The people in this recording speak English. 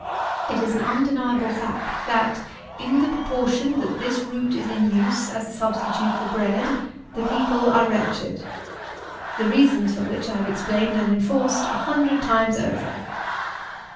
It is an undeniable fact, that, in the proportion that this root is in use, as a substitute for bread, the people are wretched; the reasons for which I have explained and enforced a hundred times over.